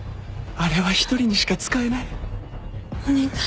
あれは１人にしか使えない